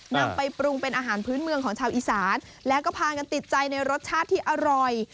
นำไปปรุงเป็นอาหารพื้นเมืองของชาวอีสานแล้วก็พากันติดใจในรสชาติที่อร่อย